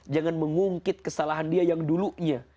jangan mengungkit kesalahan dia yang dulunya